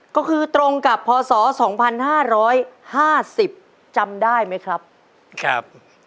ก็คือตรงกับพศสองพันห้าร้อยห้าสิบจำได้ไหมครับครับ